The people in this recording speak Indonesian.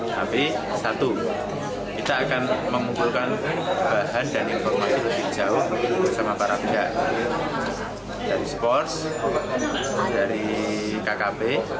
tapi satu kita akan mengumpulkan bahan dan informasi lebih jauh bersama para pihak dari sports dari kkp